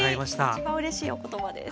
一番うれしいお言葉です。